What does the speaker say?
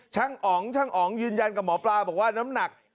อ๋องช่างอ๋องยืนยันกับหมอปลาบอกว่าน้ำหนัก